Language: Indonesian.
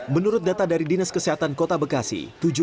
menurut data dari dinas kesehatan kota bekasi